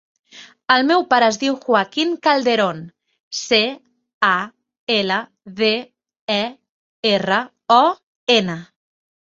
El meu pare es diu Joaquín Calderon: ce, a, ela, de, e, erra, o, ena.